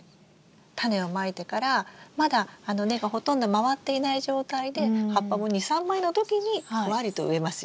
タネをまいてからまだ根がほとんど回っていない状態で葉っぱも２３枚の時にふわりと植えますよね。